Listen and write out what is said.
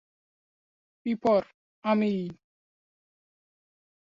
পিঁপড়: 'আমিই।'